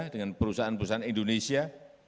dengan perusahaan perusahaan indonesia